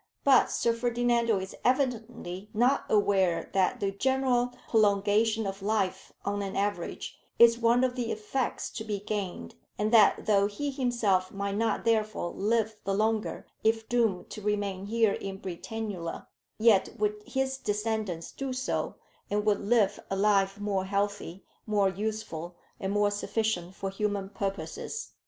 But Sir Ferdinando is evidently not aware that the general prolongation of life on an average, is one of the effects to be gained, and that, though he himself might not therefore live the longer if doomed to remain here in Britannula, yet would his descendants do so, and would live a life more healthy, more useful, and more sufficient for human purposes.